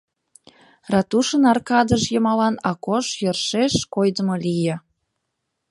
Ратушын аркадыж йымалан Акош йӧршеш койдымо лие.